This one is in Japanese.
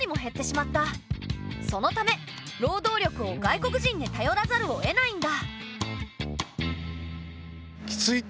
そのため労働力を外国人にたよらざるをえないんだ。